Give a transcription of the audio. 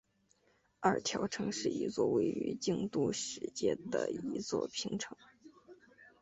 二条城是一座位于京都市街的一座平城。